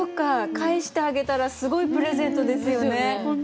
返してあげたらすごいプレゼントですよね。